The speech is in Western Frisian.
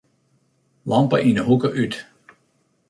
Lampe yn 'e hoeke út.